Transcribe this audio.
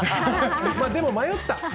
でも、迷った。